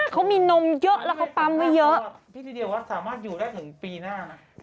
เขามีนมเยอะแล้วเขาปั๊มเยอะ